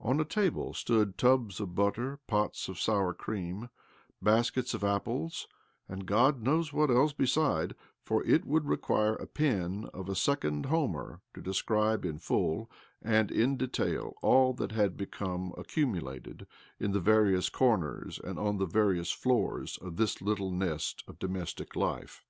On a table stood tubs of butter, pots of sour cream, biaskets of apples, and God knows what else besides, for it would require the pen of a second Homer to describe in full, and in detail, all that had become accumu lated in the various corners and on the various floors of this little nest of domestic life.